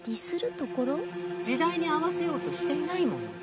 時代に合わせようとしていないもの。